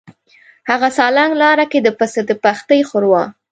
هغه سالنګ لاره کې د پسه د پښتۍ ښوروا.